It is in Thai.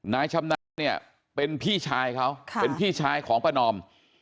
นายชำนาจเนี่ยเป็นพี่ชายเขาเป็นพี่ชายของประนอม